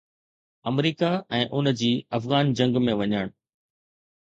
آمريڪا ۽ ان جي افغان جنگ ۾ وڃڻ.